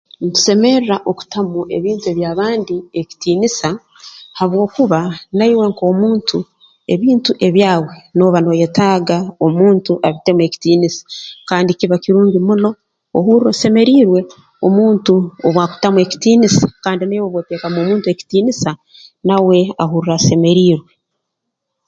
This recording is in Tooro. Ntusemerra okutamu ebintu ebya bandi ekitiinisa habwokuba na iwe nk'omuntu ebintu ebyawe nooba nooyetaaga omuntu abitemu ekitiinisa kandi kiba kirungi muno ohurra osemeriirwe omuntu obu akutamu ekitiinisa kandi na iwe obu oteekamu omuntu ekitiinisa na uwe ahurra asemeriirwe